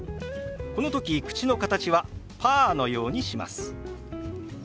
この時口の形はパーのようにします。